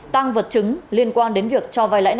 tăng vật chứng liên quan đến việc cho vai lãi nặng